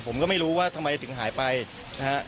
ผมก็ไม่รู้ว่าทำไมถึงหายไปนะฮะ